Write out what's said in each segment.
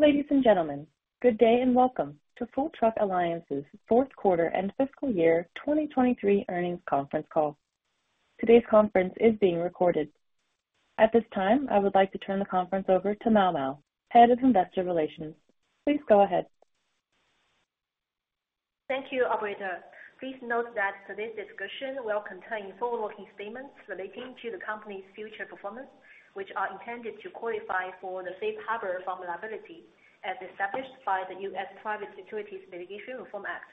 Ladies and gentlemen, good day and welcome to Full Truck Alliance's fourth quarter and fiscal year 2023 earnings conference call. Today's conference is being recorded. At this time, I would like to turn the conference over to Mao Mao, head of investor relations. Please go ahead. Thank you, operator. Please note that today's discussion will contain forward-looking statements relating to the company's future performance, which are intended to qualify for the safe harbor from liability as established by the U.S. Private Securities Litigation Reform Act.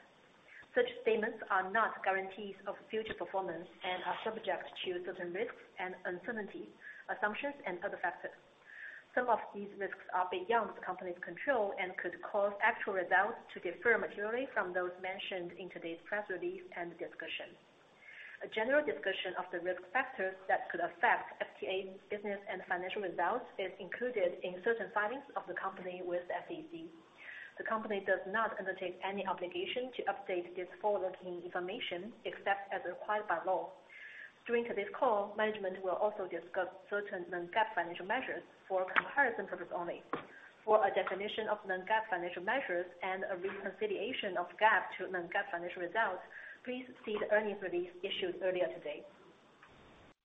Such statements are not guarantees of future performance and are subject to certain risks and uncertainties, assumptions, and other factors. Some of these risks are beyond the company's control and could cause actual results to differ materially from those mentioned in today's press release and discussion. A general discussion of the risk factors that could affect FTA business and financial results is included in certain filings of the company with the SEC. The company does not undertake any obligation to update this forward-looking information except as required by law. During today's call, management will also discuss certain non-GAAP financial measures for comparison purposes only. For a definition of non-GAAP financial measures and a reconciliation of GAAP to non-GAAP financial results, please see the earnings release issued earlier today.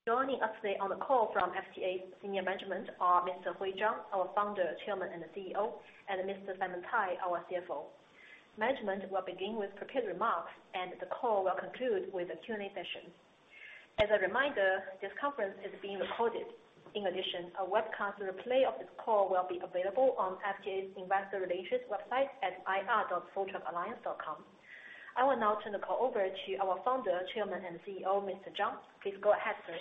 Joining us today on the call from FTA's senior management are Mr. Hui Zhang, our founder, chairman, and CEO, and Mr. Simon Cai, our CFO. Management will begin with prepared remarks, and the call will conclude with a Q&A session. As a reminder, this conference is being recorded. In addition, a webcast replay of this call will be available on FTA's investor relations website at ir.fulltruckalliance.com. I will now turn the call over to our founder, chairman, and CEO, Mr. Zhang. Please go ahead, sir.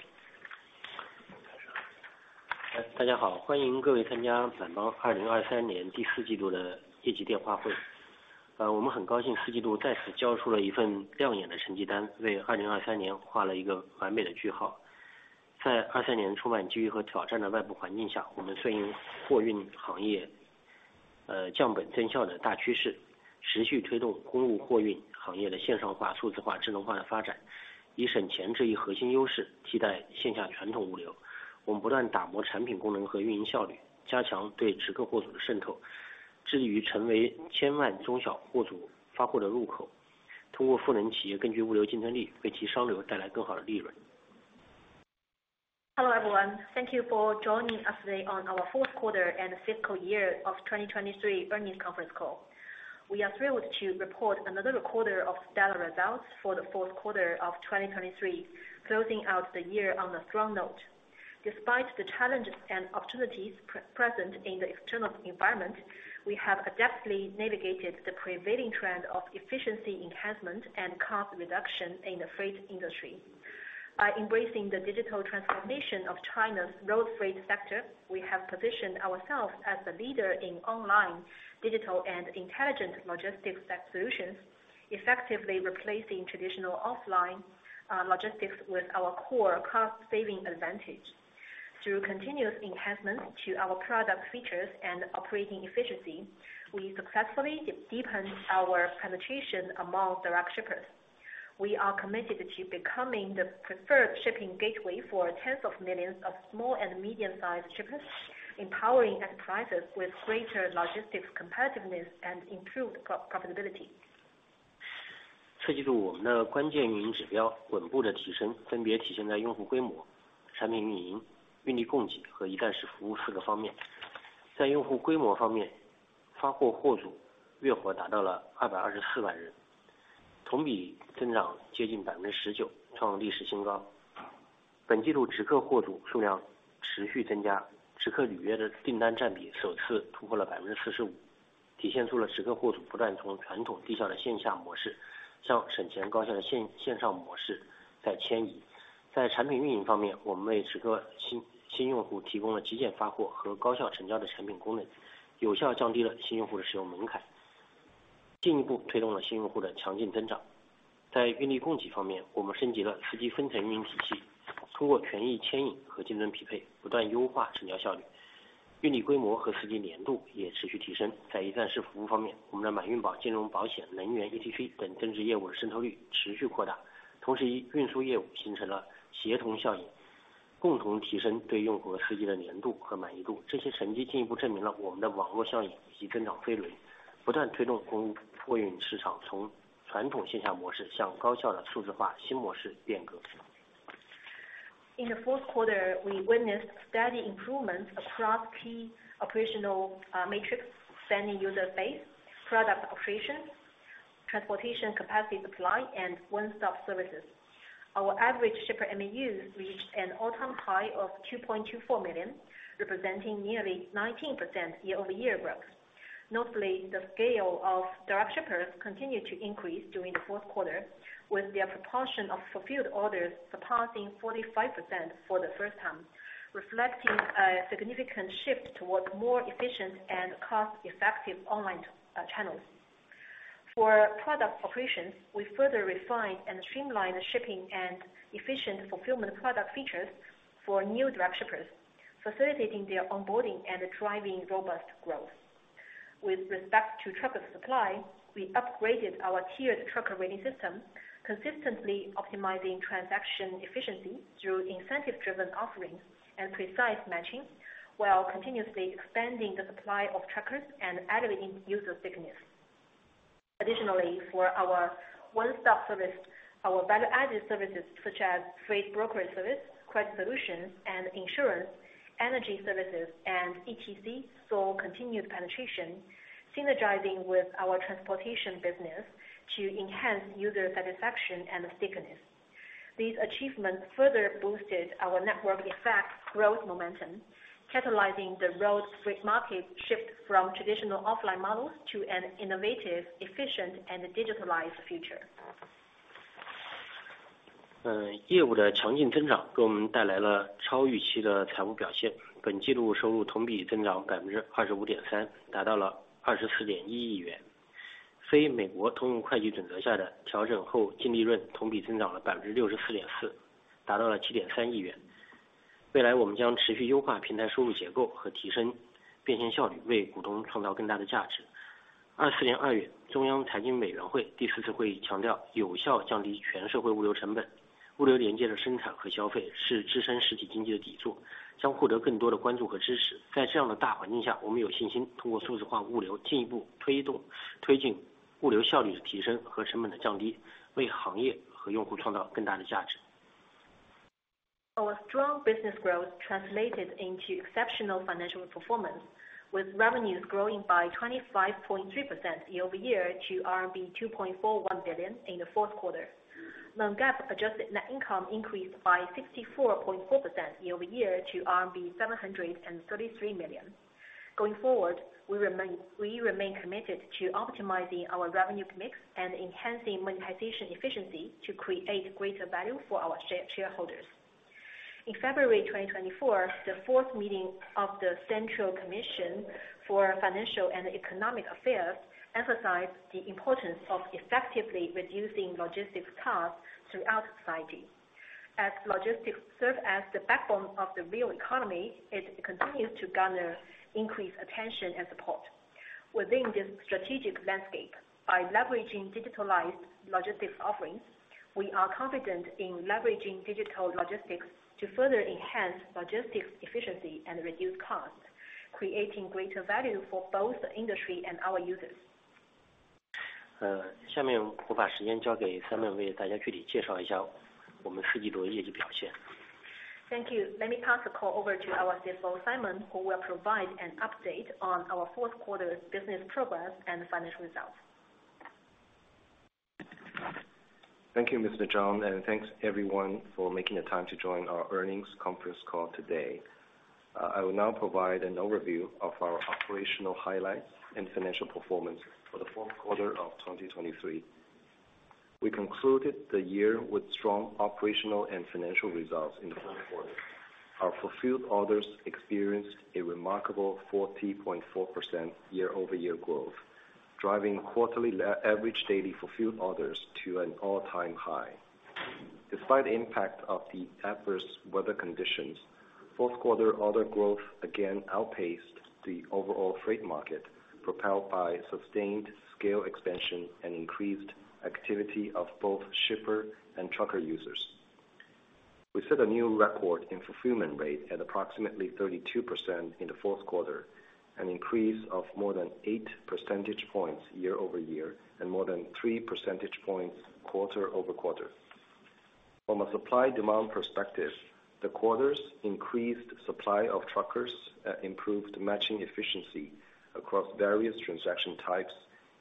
大家好，欢迎各位参加反方2023年第四季度的业绩电话会。我们很高兴四季度再次交出了一份亮眼的成绩单，为2023年画了一个完美的句号。在23年充满机遇和挑战的外部环境下，我们顺应货运行业降本增效的大趋势，持续推动公务货运行业的线上化、数字化、智能化的发展，以省钱这一核心优势替代线下传统物流。我们不断打磨产品功能和运营效率，加强对直购货主的渗透，致力于成为千万中小货主发货的入口，通过富人企业根据物流竞争力为其商流带来更好的利润。Hello, everyone. Thank you for joining us today on our fourth quarter and fiscal year of 2023 earnings conference call. We are thrilled to report another record of stellar results for the fourth quarter of 2023, closing out the year on a strong note. Despite the challenges and opportunities present in the external environment, we have adeptly navigated the prevailing trend of efficiency enhancement and cost reduction in the freight industry. By embracing the digital transformation of China's road freight sector, we have positioned ourselves as a leader in online, digital, and intelligent logistics tech solutions, effectively replacing traditional offline logistics with our core cost-saving advantage. Through continuous enhancements to our product features and operating efficiency, we successfully deepened our penetration among direct shippers. We are committed to becoming the preferred shipping gateway for tens of millions of small and medium-sized shippers, empowering enterprises with greater logistics competitiveness and improved profitability. In the fourth quarter, we witnessed steady improvements across key operational metrics spanning user base, product operations, transportation capacity supply, and one-stop services. Our average shipper MAUs reached an all-time high of 2.24 million, representing nearly 19% year-over-year growth. Notably, the scale of direct shippers continued to increase during the fourth quarter, with their proportion of fulfilled orders surpassing 45% for the first time, reflecting a significant shift towards more efficient and cost-effective online channels. For product operations, we further refined and streamlined shipping and efficient fulfillment product features for new direct shippers, facilitating their onboarding and driving robust growth. With respect to truck supply, we upgraded our tiered trucker rating system, consistently optimizing transaction efficiency through incentive-driven offerings and precise matching, while continuously expanding the supply of truckers and elevating user stickiness. Additionally, for our one-stop service, our value-added services such as freight brokerage service, credit solutions, and insurance, energy services, and ETC saw continued penetration, synergizing with our transportation business to enhance user satisfaction and tickness. These achievements further boosted our network effect growth momentum, catalyzing the road freight market shift from traditional offline models to an innovative, efficient, and digitalized future. Our strong business growth translated into exceptional financial performance, with revenues growing by 25.3% year-over-year to RMB 2.41 billion in the fourth quarter. Non-GAAP adjusted net income increased by 64.4% year-over-year to RMB 733 million. Going forward, we remain committed to optimizing our revenue mix and enhancing monetization efficiency to create greater value for our shareholders. In February 2024, the fourth meeting of the Central Commission for Financial and Economic Affairs emphasized the importance of effectively reducing logistics costs throughout society. As logistics serve as the backbone of the real economy, it continues to garner increased attention and support. Within this strategic landscape, by leveraging digitalized logistics offerings, we are confident in leveraging digital logistics to further enhance logistics efficiency and reduce costs, creating greater value for both the industry and our users. 下面我把时间交给Simon，为大家具体介绍一下我们四季度业绩表现。Thank you. Let me pass the call over to our CFO, Simon, who will provide an update on our fourth quarter business progress and financial results. Thank you, Mr. Zhang, and thanks everyone for making the time to join our earnings conference call today. I will now provide an overview of our operational highlights and financial performance for the fourth quarter of 2023. We concluded the year with strong operational and financial results in the fourth quarter. Our fulfilled orders experienced a remarkable 40.4% year-over-year growth, driving quarterly average daily fulfilled orders to an all-time high. Despite the impact of the adverse weather conditions, fourth quarter order growth again outpaced the overall freight market, propelled by sustained scale expansion and increased activity of both shipper and trucker users. We set a new record in fulfillment rate at approximately 32% in the fourth quarter, an increase of more than 8 percentage points year-over-year and more than 3 percentage points quarter-over-quarter. From a supply-demand perspective, the quarter's increased supply of truckers improved matching efficiency across various transaction types,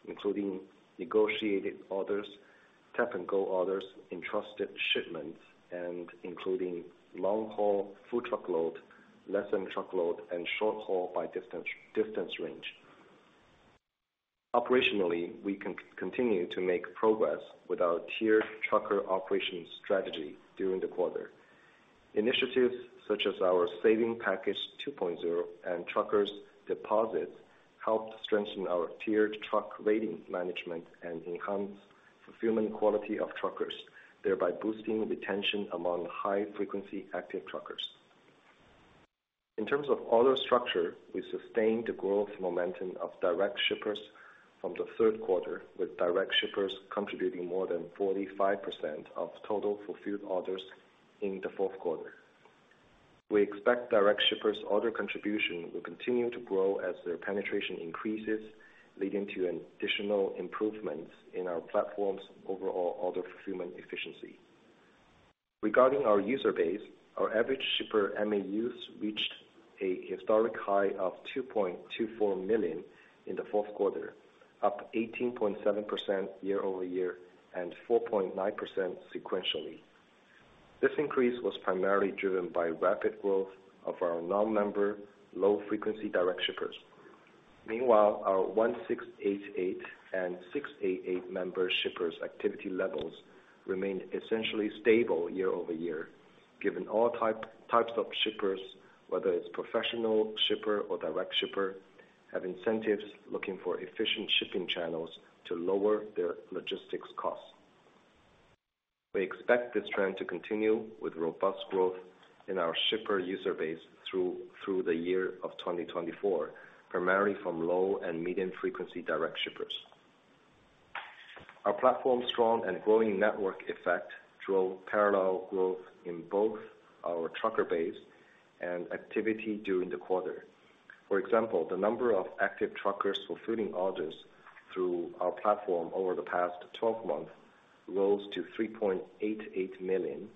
including negotiated orders, tap-and-go orders, entrusted shipments, and including long-haul full truckload, less-than-truckload, and short-haul by distance range. Operationally, we continue to make progress with our tiered trucker operations strategy during the quarter. Initiatives such as our Saving Package 2.0 and truckers' deposits helped strengthen our tiered truck rating management and enhance fulfillment quality of truckers, thereby boosting retention among high-frequency active truckers. In terms of order structure, we sustained the growth momentum of direct shippers from the third quarter, with direct shippers contributing more than 45% of total fulfilled orders in the fourth quarter. We expect direct shippers' order contribution will continue to grow as their penetration increases, leading to additional improvements in our platform's overall order fulfillment efficiency. Regarding our user base, our average shipper MAUs reached a historic high of 2.24 million in the fourth quarter, up 18.7% year-over-year and 4.9% sequentially. This increase was primarily driven by rapid growth of our non-member, low-frequency direct shippers. Meanwhile, our 1688 and 688 member shippers' activity levels remained essentially stable year-over-year, given all types of shippers, whether it's professional shipper or direct shipper, have incentives looking for efficient shipping channels to lower their logistics costs. We expect this trend to continue with robust growth in our shipper user base through the year of 2024, primarily from low and medium-frequency direct shippers. Our platform's strong and growing network effect drove parallel growth in both our trucker base and activity during the quarter. For example, the number of active truckers fulfilling orders through our platform over the past 12 months rose to 3.88 million.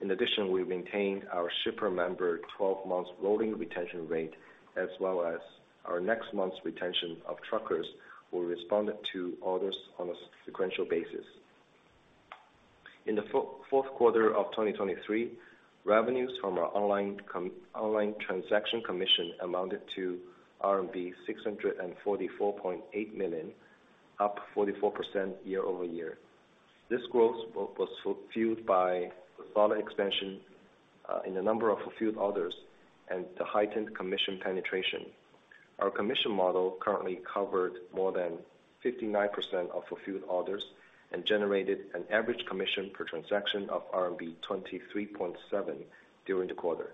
In addition, we maintained our shipper member 12-month rolling retention rate, as well as our next month's retention of truckers who responded to orders on a sequential basis. In the fourth quarter of 2023, revenues from our online transaction commission amounted to RMB 644.8 million, up 44% year-over-year. This growth was fueled by the solid expansion in the number of fulfilled orders and the heightened commission penetration. Our commission model currently covered more than 59% of fulfilled orders and generated an average commission per transaction of RMB 23.7 during the quarter.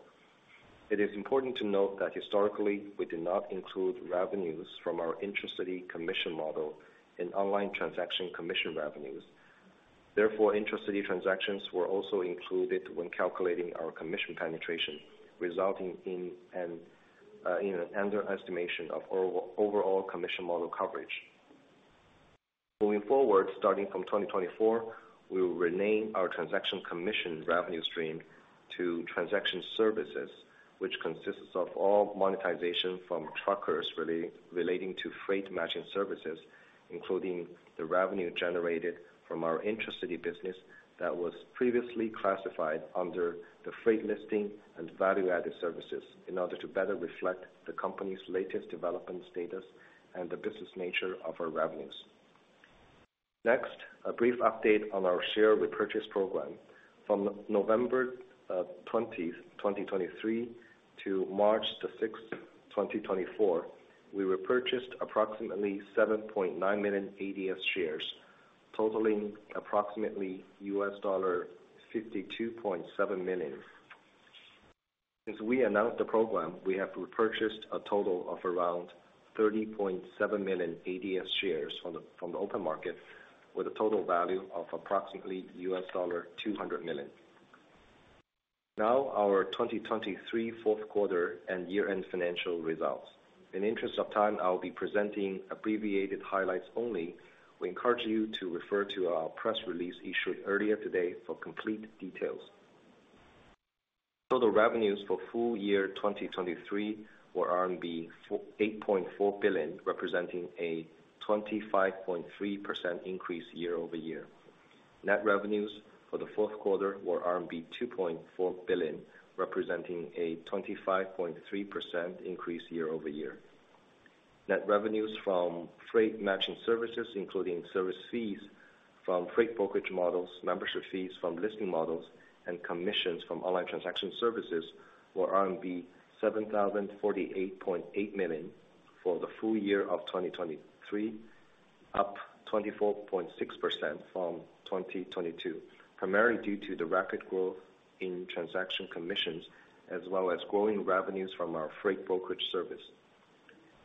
It is important to note that historically, we did not include revenues from our Intra-city commission model in online transaction commission revenues. Therefore, Intra-city transactions were also included when calculating our commission penetration, resulting in an underestimation of overall commission model coverage. Moving forward, starting from 2024, we will rename our transaction commission revenue stream to transaction services, which consists of all monetization from truckers relating to freight matching services, including the revenue generated from our Intra-city business that was previously classified under the freight listing and value-added services, in order to better reflect the company's latest development status and the business nature of our revenues. Next, a brief update on our share repurchase program. From November 20th, 2023, to March 6th, 2024, we repurchased approximately 7.9 million ADS shares, totaling approximately $52.7 million. Since we announced the program, we have repurchased a total of around 30.7 million ADS shares from the open market, with a total value of approximately $200 million. Now, our 2023 fourth quarter and year-end financial results. In the interest of time, I will be presenting abbreviated highlights only. We encourage you to refer to our press release issued earlier today for complete details. Total revenues for full year 2023 were RMB 8.4 billion, representing a 25.3% increase year-over-year. Net revenues for the fourth quarter were RMB 2.4 billion, representing a 25.3% increase year-over-year. Net revenues from freight matching services, including service fees from freight brokerage models, membership fees from listing models, and commissions from online transaction services, were 7,048.8 million for the full year of 2023, up 24.6% from 2022, primarily due to the rapid growth in transaction commissions as well as growing revenues from our freight brokerage service.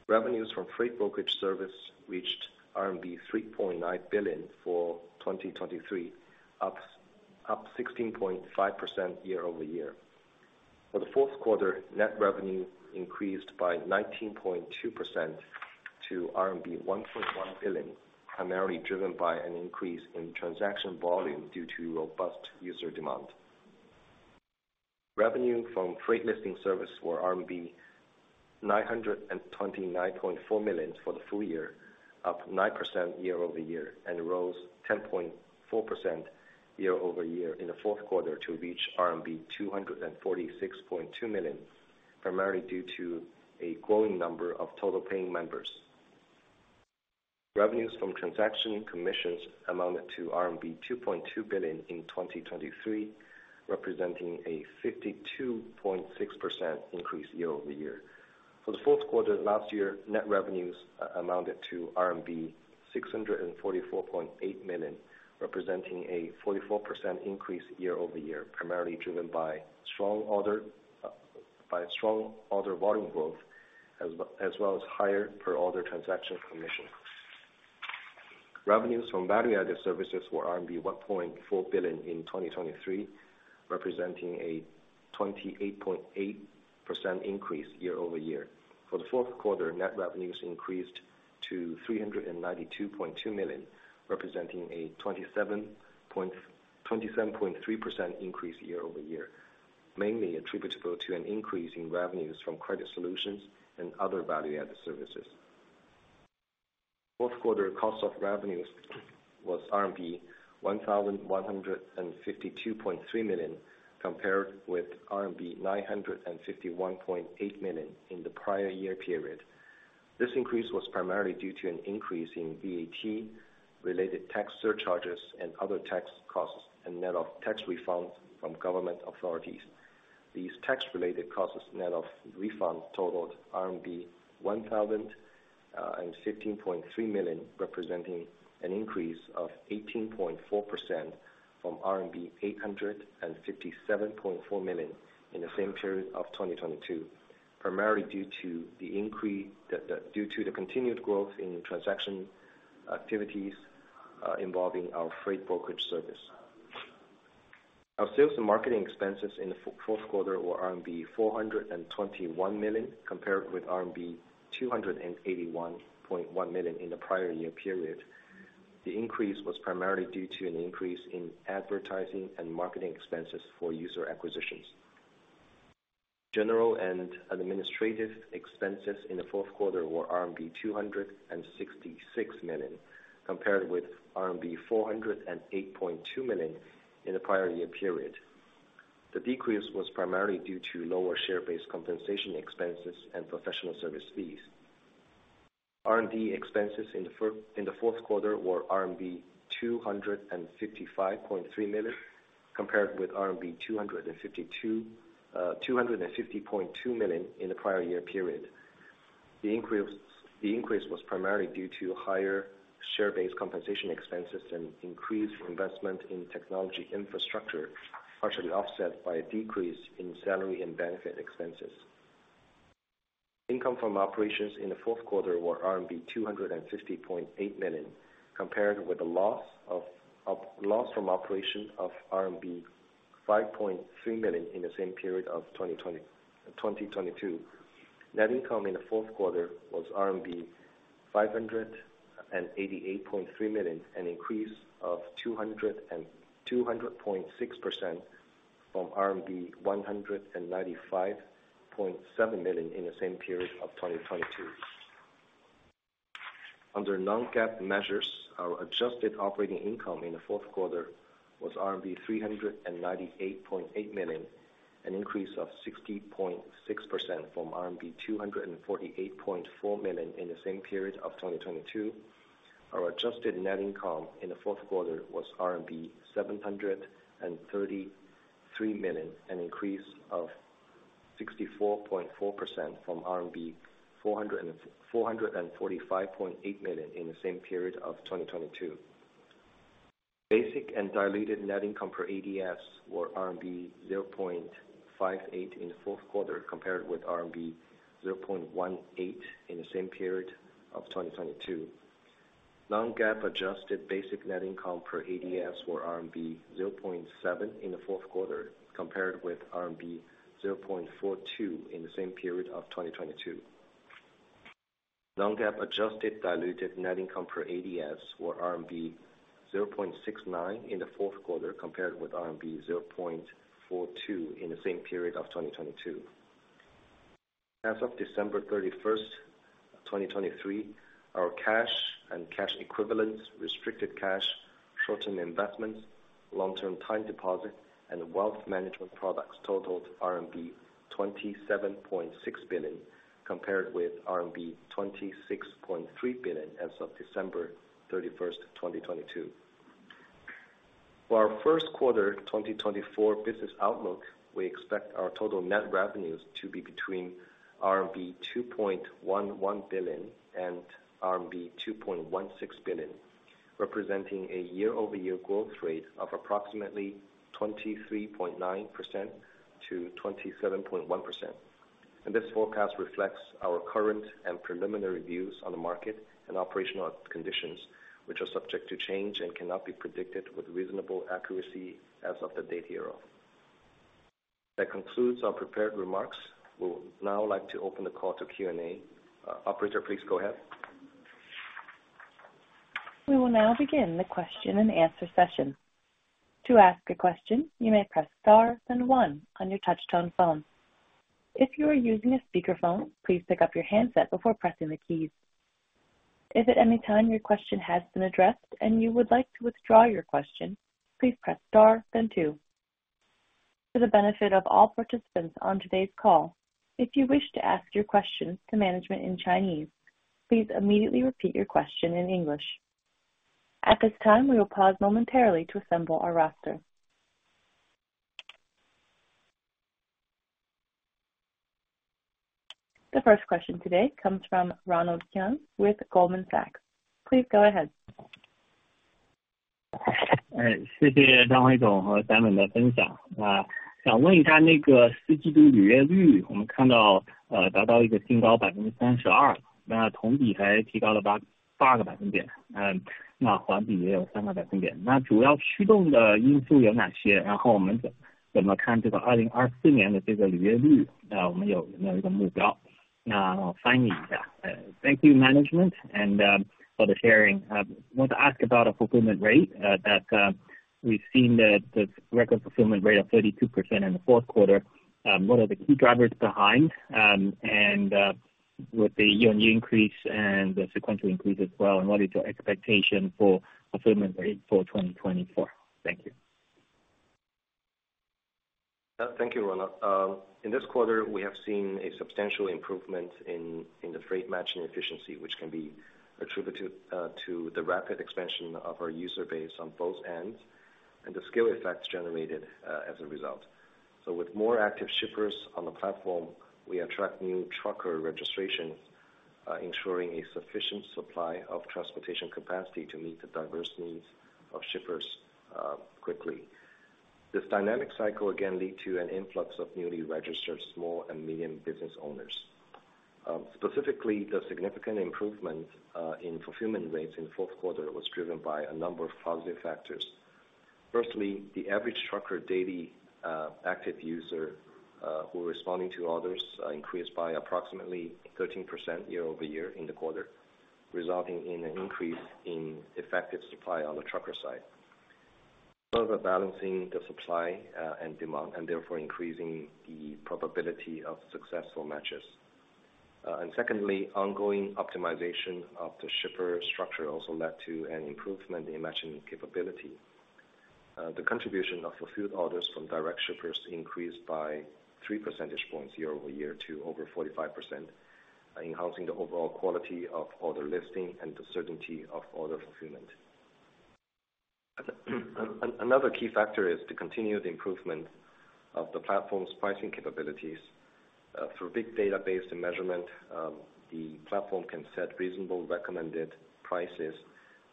Revenues from freight brokerage service reached RMB 3.9 billion for 2023, up 16.5% year-over-year. For the fourth quarter, net revenue increased by 19.2% to RMB 1.1 billion, primarily driven by an increase in transaction volume due to robust user demand. Revenue from freight listing service were RMB 929.4 million for the full year, up 9% year-over-year, and rose 10.4% year-over-year in the fourth quarter to reach RMB 246.2 million, primarily due to a growing number of total paying members. Revenues from transaction commissions amounted to RMB 2.2 billion in 2023, representing a 52.6% increase year-over-year. For the fourth quarter last year, net revenues amounted to RMB 644.8 million, representing a 44% increase year-over-year, primarily driven by strong order volume growth as well as higher per-order transaction commission. Revenues from value-added services were RMB 1.4 billion in 2023, representing a 28.8% increase year-over-year. For the fourth quarter, net revenues increased to 392.2 million, representing a 27.3% increase year-over-year, mainly attributable to an increase in revenues from credit solutions and other value-added services. Fourth quarter cost of revenues was RMB 1,152.3 million compared with RMB 951.8 million in the prior year period. This increase was primarily due to an increase in VAT-related tax surcharges and other tax refunds from government authorities. These tax-related costs net of refunds totaled RMB 1,015.3 million, representing an increase of 18.4% from RMB 857.4 million in the same period of 2022, primarily due to the continued growth in transaction activities involving our freight brokerage service. Our sales and marketing expenses in the fourth quarter were RMB 421 million compared with RMB 281.1 million in the prior year period. The increase was primarily due to an increase in advertising and marketing expenses for user acquisitions. General and administrative expenses in the fourth quarter were RMB 266 million compared with RMB 408.2 million in the prior year period. The decrease was primarily due to lower share-based compensation expenses and professional service fees. R&D expenses in the fourth quarter were RMB 255.3 million compared with 250.2 million in the prior year period. The increase was primarily due to higher share-based compensation expenses and increased investment in technology infrastructure, partially offset by a decrease in salary and benefit expenses. Income from operations in the fourth quarter were RMB 250.8 million compared with a loss from operation of RMB 5.3 million in the same period of 2022. Net income in the fourth quarter was RMB 588.3 million, an increase of 200.6% from RMB 195.7 million in the same period of 2022. Under Non-GAAP measures, our adjusted operating income in the fourth quarter was RMB 398.8 million, an increase of 60.6% from RMB 248.4 million in the same period of 2022. Our adjusted net income in the fourth quarter was RMB 733 million, an increase of 64.4% from RMB 445.8 million in the same period of 2022. Basic and diluted net income per ADS were RMB 0.58 in the fourth quarter compared with RMB 0.18 in the same period of 2022. Non-GAAP adjusted basic net income per ADS were RMB 0.7 in the fourth quarter compared with RMB 0.42 in the same period of 2022. Non-GAAP adjusted diluted net income per ADS were RMB 0.69 in the fourth quarter compared with RMB 0.42 in the same period of 2022. As of December 31st, 2023, our cash and cash equivalents, restricted cash, short-term investments, long-term time deposit, and wealth management products totaled RMB 27.6 billion compared with RMB 26.3 billion as of December 31st, 2022. For our first quarter 2024 business outlook, we expect our total net revenues to be between 2.11 billion-2.16 billion RMB, representing a year-over-year growth rate of approximately 23.9%-27.1%. This forecast reflects our current and preliminary views on the market and operational conditions, which are subject to change and cannot be predicted with reasonable accuracy as of the date here. That concludes our prepared remarks. We'll now like to open the call to Q&A. Operator, please go ahead. We will now begin the question and answer session. To ask a question, you may press star then one on your touch-tone phone. If you are using a speakerphone, please pick up your handset before pressing the keys. If at any time your question has been addressed and you would like to withdraw your question, please press star then two. For the benefit of all participants on today's call, if you wish to ask your question to management in Chinese, please immediately repeat your question in English. At this time, we will pause momentarily to assemble our roster. The first question today comes from Ronald Keung with Goldman Sachs. Please go ahead. 谢谢张会长和三位的分享。想问一下那个司机度履约率，我们看到达到一个新高32%，那同比还提高了8个百分点，那环比也有3个百分点。那主要驱动的因素有哪些？然后我们怎么看这个2024年的这个履约率？我们有没有一个目标？那我翻译一下。Thank you, management, and for the sharing. I want to ask about a fulfillment rate that we've seen the record fulfillment rate of 32% in the fourth quarter. What are the key drivers behind? And with the year-on-year increase and the sequential increase as well, what is your expectation for fulfillment rate for 2024? Thank you. Thank you, Ronald. In this quarter, we have seen a substantial improvement in the freight matching efficiency, which can be attributed to the rapid expansion of our user base on both ends and the scale effects generated as a result. So with more active shippers on the platform, we attract new trucker registrations, ensuring a sufficient supply of transportation capacity to meet the diverse needs of shippers quickly. This dynamic cycle, again, lead to an influx of newly registered small and medium business owners. Specifically, the significant improvement in fulfillment rates in the fourth quarter was driven by a number of positive factors. Firstly, the average trucker daily active user who are responding to orders increased by approximately 13% year-over-year in the quarter, resulting in an increase in effective supply on the trucker side, further balancing the supply and demand, and therefore increasing the probability of successful matches. And secondly, ongoing optimization of the shipper structure also led to an improvement in matching capability. The contribution of fulfilled orders from direct shippers increased by three percentage points year-over-year to over 45%, enhancing the overall quality of order listing and the certainty of order fulfillment. Another key factor is the continued improvement of the platform's pricing capabilities. Through big database and measurement, the platform can set reasonable recommended prices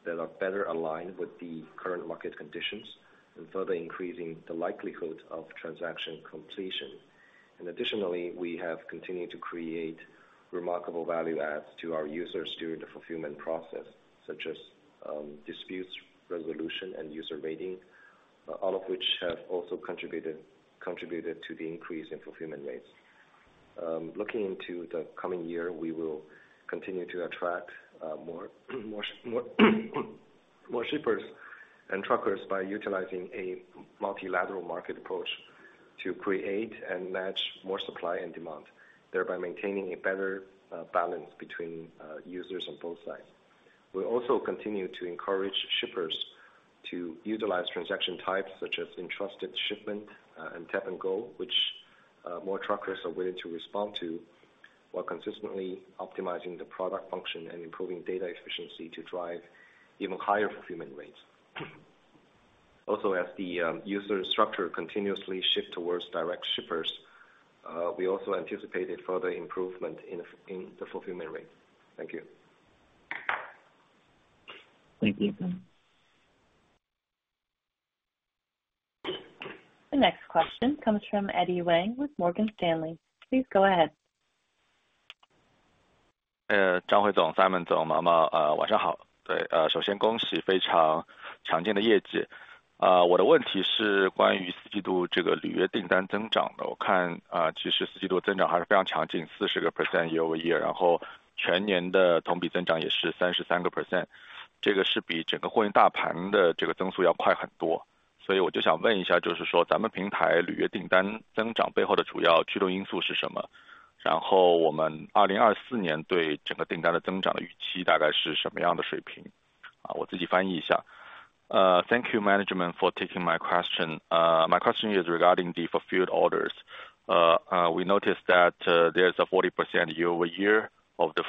that are better aligned with the current market conditions and further increasing the likelihood of transaction completion. Additionally, we have continued to create remarkable value adds to our users during the fulfillment process, such as dispute resolution and user rating, all of which have also contributed to the increase in fulfillment rates. Looking into the coming year, we will continue to attract more shippers and truckers by utilizing a multilateral market approach to create and match more supply and demand, thereby maintaining a better balance between users on both sides. We also continue to encourage shippers to utilize transaction types such as entrusted shipment and tap-and-go, which more truckers are willing to respond to while consistently optimizing the product function and improving data efficiency to drive even higher fulfillment rates. Also, as the user structure continuously shifts towards direct shippers, we also anticipate a further improvement in the fulfillment rate. Thank you. Thank you. The next question comes from Eddy Wang with Morgan Stanley. Please go ahead. 张会长，Simon 总，Mao Mao，晚上好。对，首先恭喜非常强劲的业绩。我的问题是关于四季度这个履约订单增长的。我看其实四季度增长还是非常强劲，40% year-over-year，然后全年的同比增长也是33%。这个是比整个货运大盘的这个增速要快很多。所以我就想问一下，就是说咱们平台履约订单增长背后的主要驱动因素是什么？然后我们2024年对整个订单的增长的预期大概是什么样的水平？我自己翻译一下。Thank you, management, for taking my question. My question is regarding the fulfilled orders. We noticed that there's a 40% year-over-year of the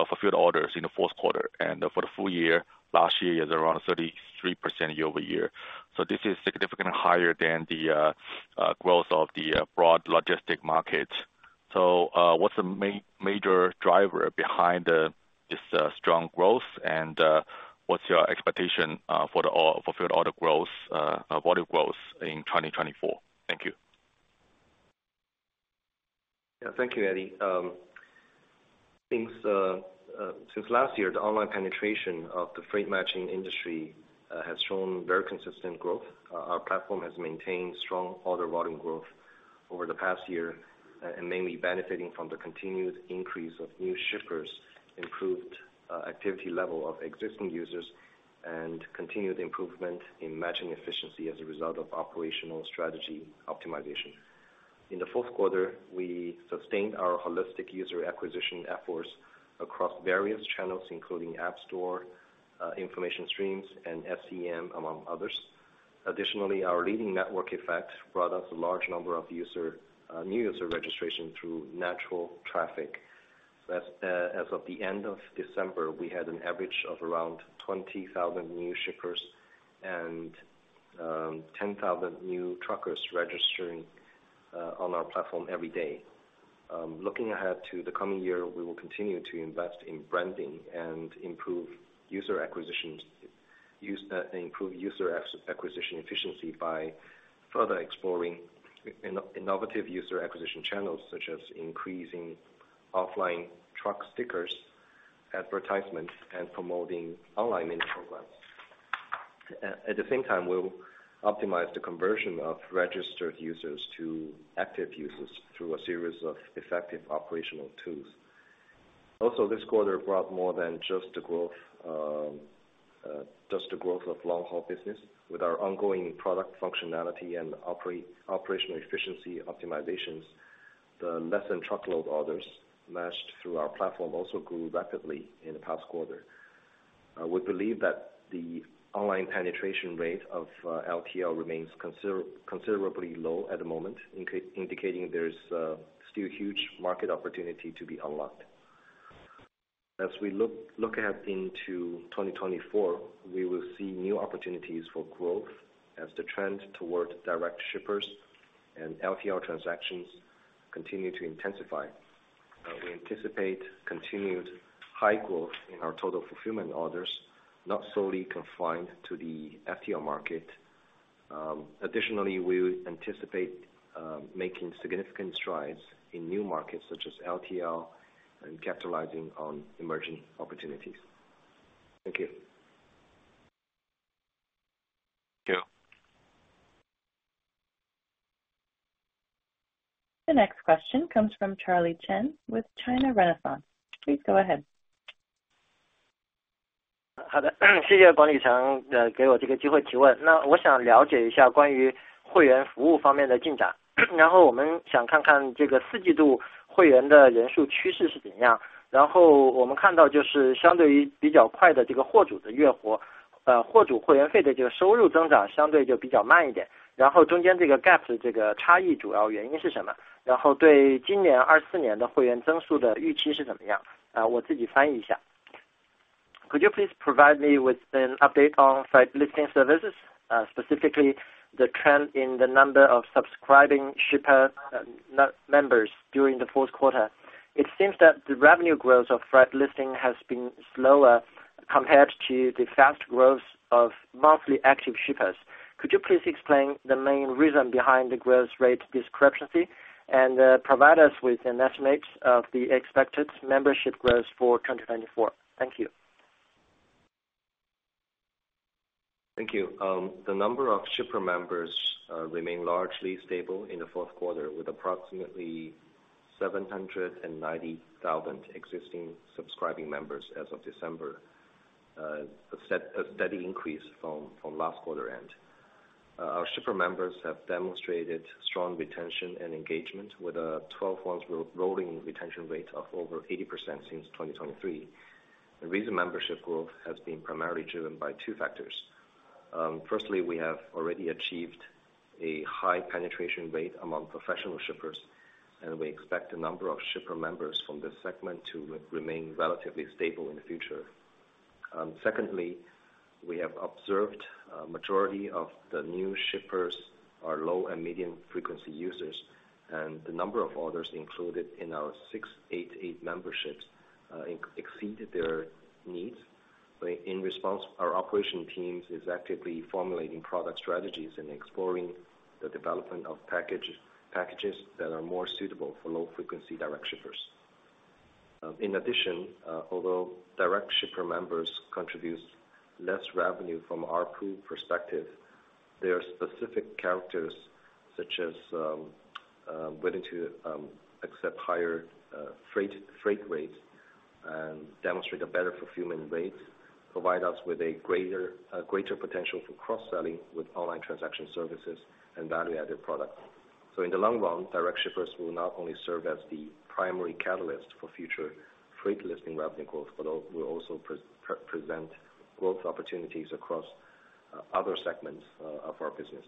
fulfilled orders in the fourth quarter, and for the full year, last year is around 33% year-over-year. So this is significantly higher than the growth of the broad logistics market. So what's the major driver behind this strong growth, and what's your expectation for the fulfilled order volume growth in 2024? Thank you. Yeah, thank you, Eddy. Since last year, the online penetration of the freight matching industry has shown very consistent growth. Our platform has maintained strong order volume growth over the past year, and mainly benefiting from the continued increase of new shippers' improved activity level of existing users and continued improvement in matching efficiency as a result of operational strategy optimization. In the fourth quarter, we sustained our holistic user acquisition efforts across various channels, including App Store, information streams, and SEM, among others. Additionally, our leading network effect brought us a large number of new user registrations through natural traffic. As of the end of December, we had an average of around 20,000 new shippers and 10,000 new truckers registering on our platform every day. Looking ahead to the coming year, we will continue to invest in branding and improve user acquisition efficiency by further exploring innovative user acquisition channels, such as increasing offline truck stickers advertisements and promoting online mini programs. At the same time, we'll optimize the conversion of registered users to active users through a series of effective operational tools. Also, this quarter brought more than just the growth of long-haul business. With our ongoing product functionality and operational efficiency optimizations, the less-than-truckload orders matched through our platform also grew rapidly in the past quarter. We believe that the online penetration rate of LTL remains considerably low at the moment, indicating there's still huge market opportunity to be unlocked. As we look ahead into 2024, we will see new opportunities for growth as the trend towards direct shippers and LTL transactions continue to intensify. We anticipate continued high growth in our total fulfillment orders, not solely confined to the FTL market. Additionally, we anticipate making significant strides in new markets such as LTL and capitalizing on emerging opportunities. Thank you. Thank you. The next question comes from Charlie Chen with China Renaissance. Please go ahead. 谢谢，感谢给我这个机会提问。那我想了解一下关于会员服务方面的进展，然后我们想看看这个四季度会员的人数趋势是怎样。然后我们看到就是相对于比较快的这个货主的月活，货主会员费的这个收入增长相对就比较慢一点，然后中间这个 gap 的这个差异主要原因是什么？然后对今年 2024 年的会员增速的预期是怎么样？我自己翻译一下. Could you please provide me with an update on membership services, specifically the trend in the number of subscribing shipper members during the fourth quarter? It seems that the revenue growth of membership has been slower compared to the fast growth of monthly active shippers. Could you please explain the main reason behind the growth rate discrepancy and provide us with an estimate of the expected membership growth for 2024? Thank you. Thank you. The number of shipper members remained largely stable in the fourth quarter, with approximately 790,000 existing subscribing members as of December, a steady increase from last quarter end. Our shipper members have demonstrated strong retention and engagement, with a 12-month rolling retention rate of over 80% since 2023. The reason membership growth has been primarily driven by two factors. Firstly, we have already achieved a high penetration rate among professional shippers, and we expect the number of shipper members from this segment to remain relatively stable in the future. Secondly, we have observed a majority of the new shippers are low and medium frequency users, and the number of orders included in our 688 memberships exceeded their needs. In response, our operation team is actively formulating product strategies and exploring the development of packages that are more suitable for low frequency direct shippers. In addition, although direct shipper members contribute less revenue from our pool perspective, their specific characters, such as willing to accept higher freight rates and demonstrate a better fulfillment rate, provide us with a greater potential for cross-selling with online transaction services and value-added products. So in the long run, direct shippers will not only serve as the primary catalyst for future freight listing revenue growth, but will also present growth opportunities across other segments of our business.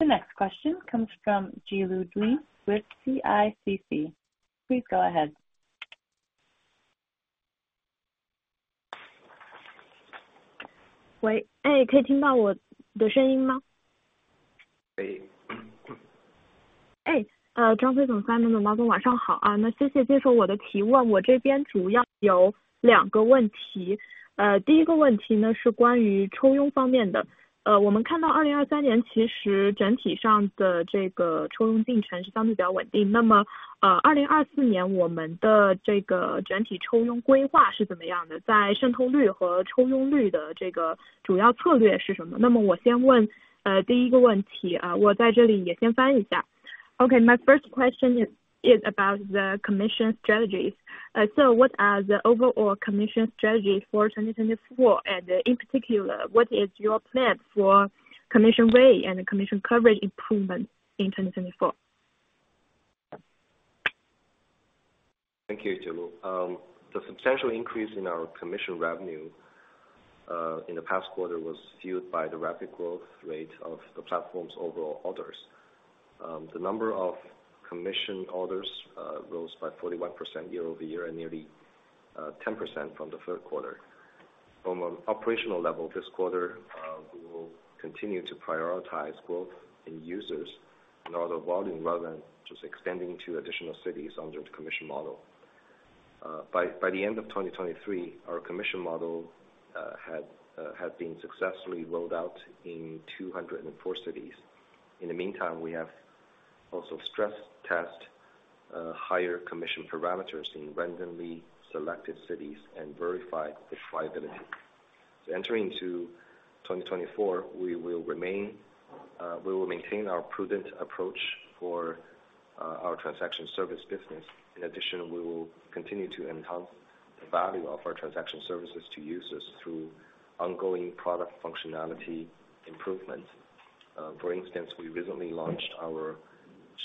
The next question comes from Jiulu Li with CICC. Please go ahead. 喂，可以听到我的声音吗？ 可以。张会长、Simon、Mao，晚上好。那谢谢接受我的提问。我这边主要有两个问题。第一个问题是关于抽佣方面的。我们看到2023年其实整体上的抽佣进程是相对比较稳定。那么2024年我们的整体抽佣规划是怎么样的？在渗透率和抽佣率的主要策略是什么？那么我先问第一个问题，我在这里也先翻一下。Okay, my first question is about the commission strategies. So what are the overall commission strategies for 2024, and in particular, what is your plan for commission rate and commission coverage improvements in 2024? Thank you, Jiulu. The substantial increase in our commission revenue in the past quarter was fueled by the rapid growth rate of the platform's overall orders. The number of commission orders rose by 41% year-over-year and nearly 10% from the third quarter. From an operational level, this quarter we will continue to prioritize growth in users in order of volume rather than just extending to additional cities under the commission model. By the end of 2023, our commission model had been successfully rolled out in 204 cities. In the meantime, we have also stress-tested higher commission parameters in randomly selected cities and verified the reliability. Entering into 2024, we will maintain our prudent approach for our transaction service business. In addition, we will continue to enhance the value of our transaction services to users through ongoing product functionality improvements. For instance, we recently launched our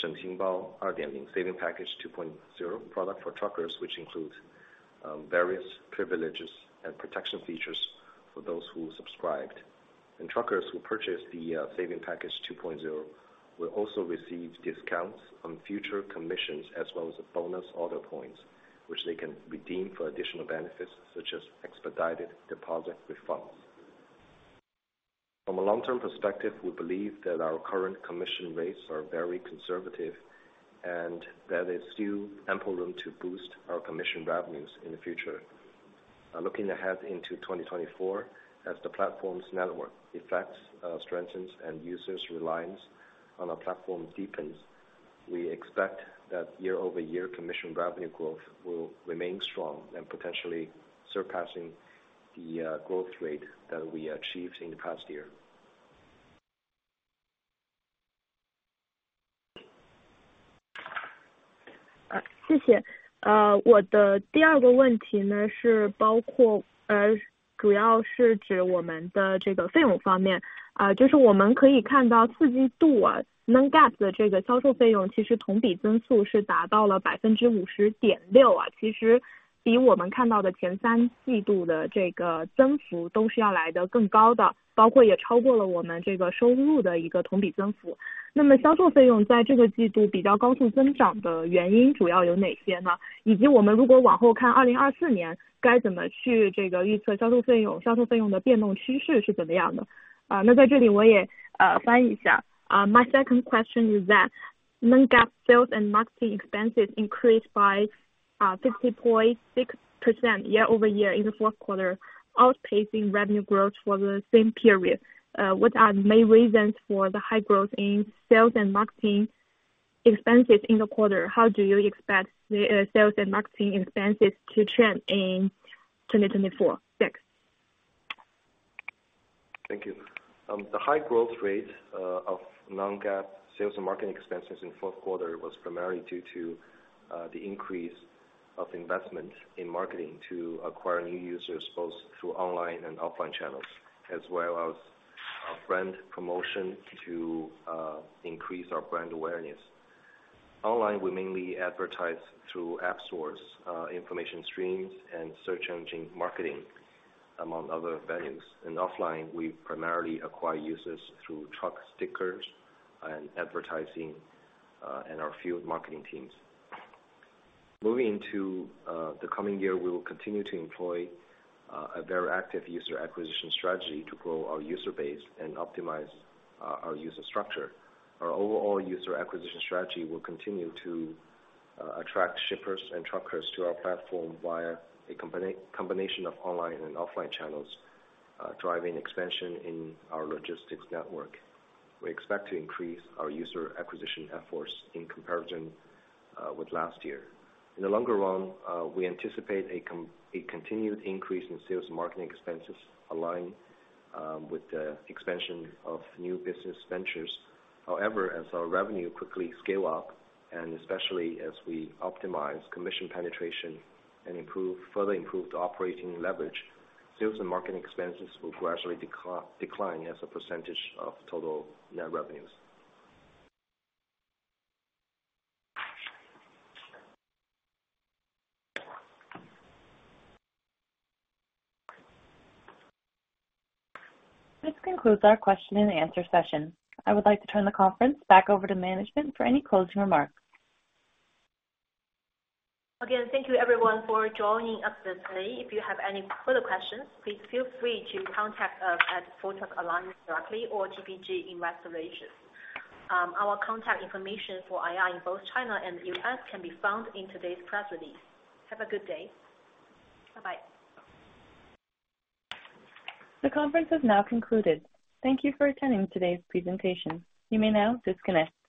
Sheng Sheng Bao Saving Package 2.0 product for truckers, which includes various privileges and protection features for those who subscribed. Truckers who purchase the Saving Package 2.0 will also receive discounts on future commissions as well as bonus order points, which they can redeem for additional benefits such as expedited deposit refunds. From a long-term perspective, we believe that our current commission rates are very conservative and that there's still ample room to boost our commission revenues in the future. Looking ahead into 2024, as the platform's network effects strengthens and users' reliance on our platform deepens, we expect that year-over-year commission revenue growth will remain strong and potentially surpassing the growth rate that we achieved in the past year. 谢谢。我的第二个问题是主要是指我们的费用方面。就是我们可以看到四季度 Non-GAAP 的销售费用其实同比增速是达到了 50.6%。其实比我们看到的前三季度的增幅都是要来得更高的，包括也超过了我们收入的一个同比增幅。那么销售费用在这个季度比较高速增长的原因主要有哪些呢？以及我们如果往后看 2024 年该怎么去预测销售费用，销售费用的变动趋势是怎么样的？那在这里我也翻译一下。My second question is that Non-GAAP sales and marketing expenses increased by 50.6% year-over-year in the fourth quarter, outpacing revenue growth for the same period. What are the main reasons for the high growth in sales and marketing expenses in the quarter? How do you expect sales and marketing expenses to trend in 2024? Thanks. Thank you. The high growth rate of Non-GAAP sales and marketing expenses in the fourth quarter was primarily due to the increase of investment in marketing to acquire new users both through online and offline channels, as well as brand promotion to increase our brand awareness. Online we mainly advertise through App Store's information streams and search engine marketing, among other venues. Offline we primarily acquire users through truck stickers and advertising and our field marketing teams. Moving into the coming year, we will continue to employ a very active user acquisition strategy to grow our user base and optimize our user structure. Our overall user acquisition strategy will continue to attract shippers and truckers to our platform via a combination of online and offline channels, driving expansion in our logistics network. We expect to increase our user acquisition efforts in comparison with last year. In the longer run, we anticipate a continued increase in sales and marketing expenses aligned with the expansion of new business ventures. However, as our revenue quickly scale up, and especially as we optimize commission penetration and further improve the operating leverage, sales and marketing expenses will gradually decline as a percentage of total net revenues. This concludes our question and answer session. I would like to turn the conference back over to management for any closing remarks. Again, thank you everyone for joining us today. If you have any further questions, please feel free to contact us at Full Truck Alliance directly or TPG Investor Relations. Our contact information for IR in both China and the US can be found in today's press release. Have a good day. Bye-bye. The conference has now concluded. Thank you for attending today's presentation. You may now disconnect.